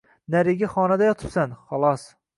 Narigi xonada yotibsan, xolos…